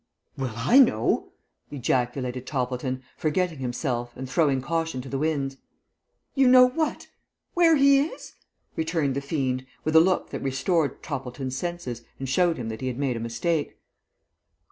"Well, I know!" ejaculated Toppleton, forgetting himself and throwing caution to the winds. "You know what? Where he is?" returned the fiend, with a look that restored Toppleton's senses and showed him that he had made a mistake.